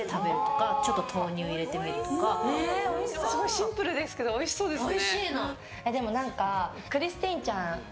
シンプルですけどおいしそうですね。